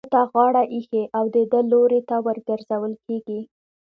ده ته غاړه ايښې او د ده لوري ته ورگرځول كېږي.